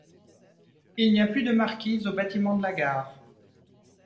Il n’y a plus de marquise au bâtiment de la gare.